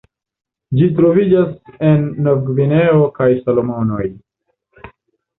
Ĝi troviĝas en Novgvineo kaj Salomonoj.